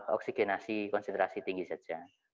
oksigenasi konsentrasi tinggi saja